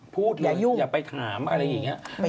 พูดเลยอย่าไปถามอะไรอย่างนี้